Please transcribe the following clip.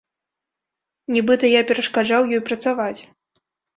Нібыта я перашкаджаў ёй працаваць.